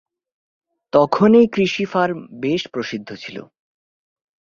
তখন এই কৃষি ফার্ম বেশ প্রসিদ্ধ ছিল।